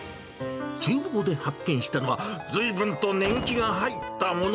ちゅう房で発見したのは、ずいぶんと年季が入ったもの。